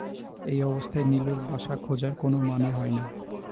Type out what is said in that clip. এই অবস্থায় নীলুর বাসা খোঁজার কোনো মানে হয় না।